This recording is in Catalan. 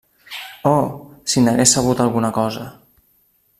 Oh, si n'hagués sabut alguna cosa!